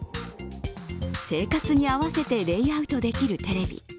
生活に合わせてレイアウトできるテレビ。